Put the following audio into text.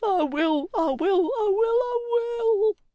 I will, I will, I will, I will!